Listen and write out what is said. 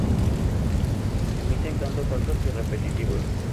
Emiten cantos altos y repetitivos.